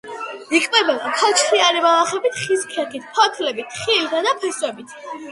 იკვებება ქოჩრიანი ბალახებით, ხის ქერქით, ფოთლებით, ხილითა და ფესვებით.